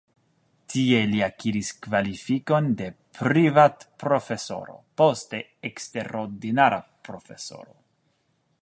Tie li akiris kvalifikon de privatprofesoro, poste eksterordinara profesoro.